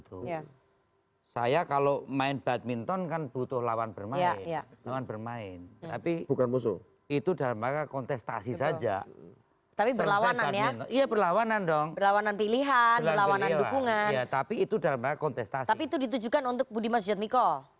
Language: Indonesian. tapi itu ditujukan untuk budiman sujatmiko